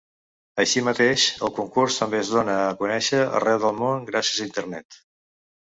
Així mateix, el concurs també es donà a conèixer arreu del món gràcies a Internet.